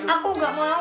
aku gak mau